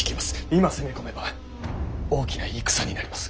今攻め込めば大きな戦になります。